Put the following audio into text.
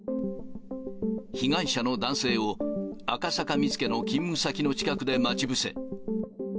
被害者の男性を赤坂見附の勤務先の近くで待ち伏せ。